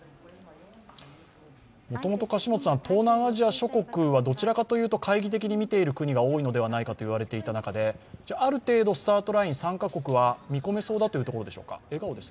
もともと、東南アジア諸国はどちらかというと懐疑的に見ている国が多いのではないかと言われていた中で、ある程度、スタートライン、参加国は見込めそうでしょうか？